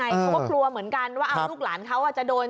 เขาก็กลัวเหมือนกันว่าลูกหลานเขาจะโดน